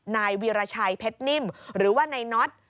นายวีรชัยเพชรนิ่มหรือว่านายน็อต